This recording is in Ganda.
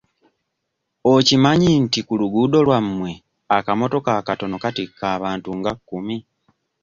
Okimanyi nti ku luguudo lwammwe akamotoka akatono katikka abantu nga kkumi.